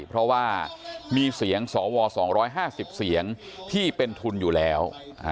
เพราะว่ามีเสียงสว๒๕๐เสียงที่เป็นทุนอยู่แล้ว